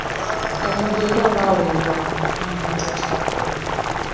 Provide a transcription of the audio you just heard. Bamulerwa baawerebwa mu Uganda naye bakyakola.